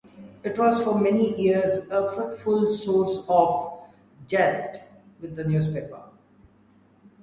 It was for many years a fruitful source of jest with the newspapers.